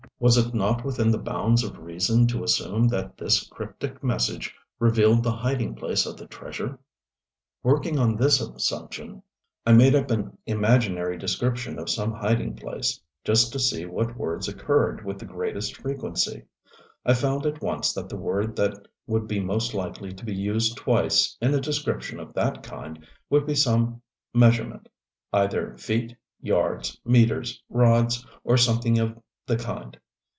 Was it not within the bounds of reason to assume that this cryptic message revealed the hiding place of the treasure? Working on this assumption, I made up an imaginary description of some hiding place, just to see what words occurred with the greatest frequency. I found at once that the word that would be most likely to be used twice in a description of that kind would be some measurement either feet, yards, meters, rods, or something of the kind.